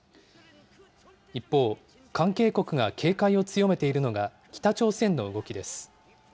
一方、関係国が警戒を強めているのが、北朝鮮の動きです。